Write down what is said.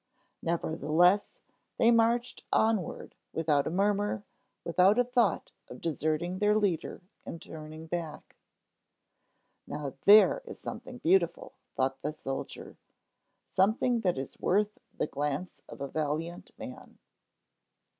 Nevertheless, they marched onward without a murmur, without a thought of deserting their leader and turning back. Now, there is something beautiful! thought the soldier, something that is worth the glance of a valiant man!